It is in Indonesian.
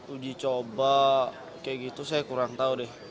uji coba kayak gitu saya kurang tahu deh